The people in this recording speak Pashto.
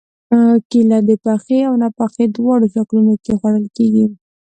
کېله د پخې او ناپخې دواړو شکلونو کې خوړل کېږي.